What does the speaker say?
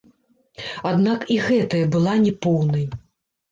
Аднак і гэтая была не поўнай.